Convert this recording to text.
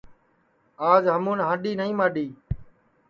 آج ہمُون ہانڈؔی نائی ماڈؔی